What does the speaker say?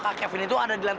kok tinggi banget